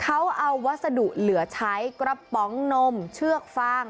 เขาเอาวัสดุเหลือใช้กระป๋องนมเชือกฟาง